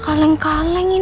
saya mau potong kevin